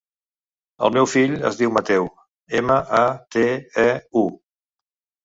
El meu fill es diu Mateu: ema, a, te, e, u.